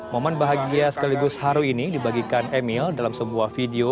momen bahagia sekaligus haru ini dibagikan emil dalam sebuah video